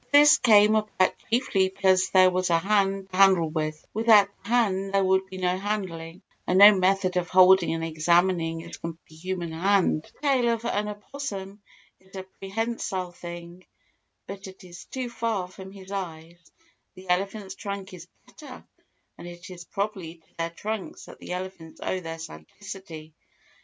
But this came about chiefly because there was a hand to handle with; without the hand there would be no handling; and no method of holding and examining is comparable to the human hand. The tail of an opossum is a prehensile thing, but it is too far from his eyes—the elephant's trunk is better, and it is probably to their trunks that the elephants owe their sagacity.